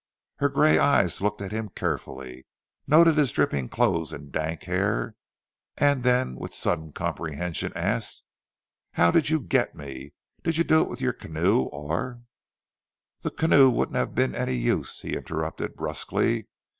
Her grey eyes looked at him carefully, noted his dripping clothes and dank hair, and then with sudden comprehension asked: "How did you get me? Did you do it with your canoe or " "The canoe wouldn't have been any use," he interrupted brusquely.